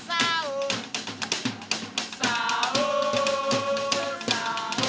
sahur sahur sahur